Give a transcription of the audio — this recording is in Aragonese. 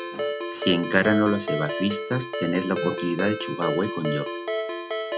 Si encara no las hebaz vistas, tenez la oportunidat de chugar hue con yo.